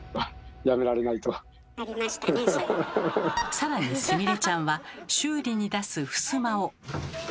さらにすみれちゃんは修理に出すふすまを。